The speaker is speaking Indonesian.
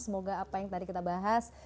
semoga apa yang tadi kita bahas